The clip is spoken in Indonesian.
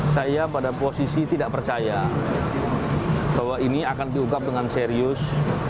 saya pada posisi tidak percaya bahwa ini akan diungkap dengan serius